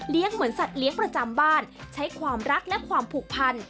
เหมือนสัตว์เลี้ยงประจำบ้านใช้ความรักและความผูกพัน